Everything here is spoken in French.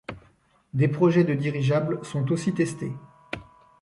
Des projets de dirigeables sont aussi testés.